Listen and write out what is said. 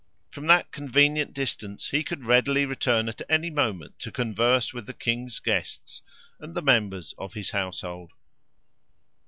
From that convenient distance, he could readily return at any moment, to converse with the king's guests and the members of his household.